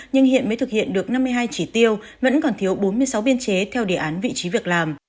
nhưng hiện mới thực hiện được năm mươi hai chỉ tiêu vẫn còn thiếu bốn mươi sáu biên chế theo đề án vị trí việc làm